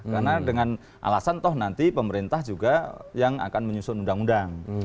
karena dengan alasan toh nanti pemerintah juga yang akan menyusun undang undang